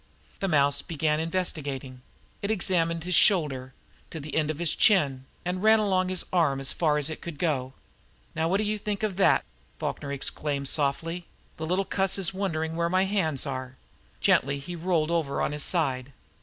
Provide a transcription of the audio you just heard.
The mouse began investigating. It examined his shoulder, the end of his chin, and ran along his arm, as far as it could go. "Now what do you think of that!" Falkner exclaimed softly. "The little cuss is wondering where my hands are!" Gently he rolled over on his side.